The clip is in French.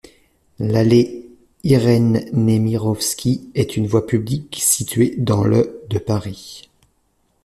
L'allée Irène-Némirovsky est une voie publique située dans le de Paris.